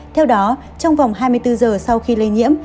theo đó trong vòng hai mươi bốn giờ sau khi lây nhiễm